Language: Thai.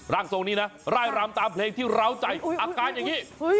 ทรงนี้นะร่ายรำตามเพลงที่ร้าวใจอาการอย่างนี้